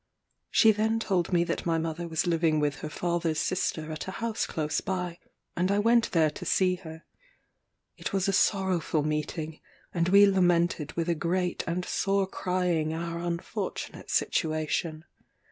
She then told me that my mother was living with her father's sister at a house close by, and I went there to see her. It was a sorrowful meeting; and we lamented with a great and sore crying our unfortunate situation.